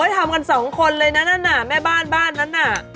อ๋อทำกันสองคนเลยนั่นนะแม่บ้านนั่นน่ะ